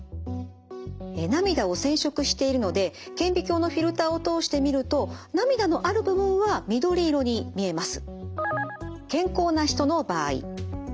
涙を染色しているので顕微鏡のフィルターを通して見ると涙のある部分は緑色に見えます。